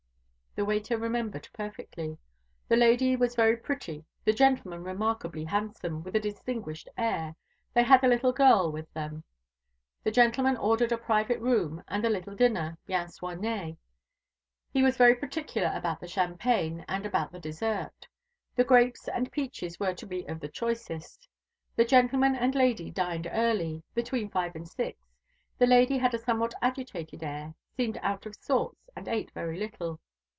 The waiter remembered perfectly. The lady was very pretty, the gentleman remarkably handsome, and with a distinguished air. They had a little girl with them. The gentleman ordered a private room and a little dinner, bien soigné. He was very particular about the champagne, and about the dessert. The grapes and peaches were to be of the choicest. The gentleman and lady dined early, between five and six. The lady had a somewhat agitated air, seemed out of sorts, and ate very little.